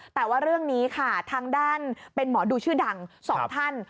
แต่ว่าเรื่องนี้ค่ะทางด้านเป็นหมอดูชื่อดังสองท่าน